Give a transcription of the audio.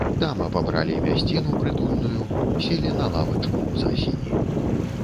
Там абабралі мясціну прытульную, селі на лавачку ў засені.